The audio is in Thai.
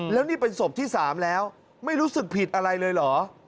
แล้วนี่เป็นศพที่๓แล้วไม่รู้สึกผิดอะไรเลยเหรอ